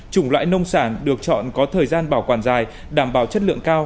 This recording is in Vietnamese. chủng loại nông sản được chọn có thời gian bảo quản dài đảm bảo chất lượng cao